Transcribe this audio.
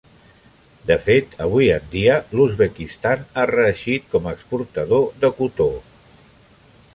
De fet, avui en dia l'Uzbekistan ha reeixit com a exportador de cotó.